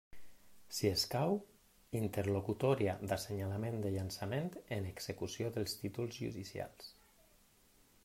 Si escau, interlocutòria d'assenyalament de llançament en execució dels títols judicials.